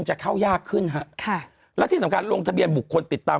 จะเข้ายากขึ้นฮะค่ะและที่สำคัญลงทะเบียนบุคคลติดตาม